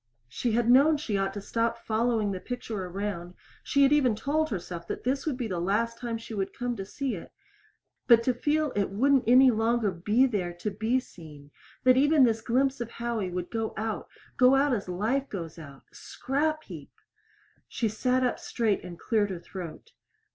She had known she ought to stop following the picture around, she had even told herself this would be the last time she would come to see it but to feel it wouldn't any longer be there to be seen that even this glimpse of Howie would go out go out as life goes out scrap heap! She sat up straight and cleared her throat.